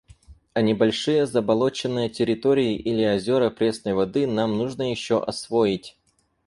А небольшие заболоченные территории или озера пресной воды нам нужно еще освоить.